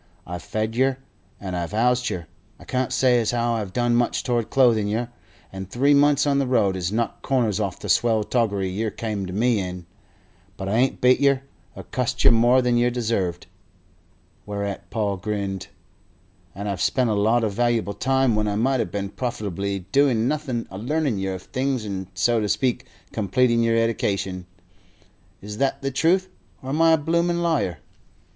I've fed yer and I've housed yer I can't say as how I've done much toward clothing yer and three months on the road has knocked corners off the swell toggery yer came to me in; but I ain't beat yer or cussed yer more than yer deserved" whereat Paul grinned "and I've spent a lot of valuable time, when I might have been profitably doing nothing, a larning yer of things and, so to speak, completing yer eddication. Is that the truth, or am I a bloomin' liar?"